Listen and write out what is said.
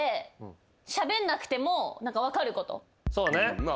そうね。